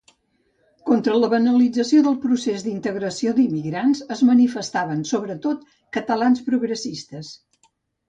Contra la banalització del procés d'integració d'immigrants es manifestaven, sobretot, catalans progressistes.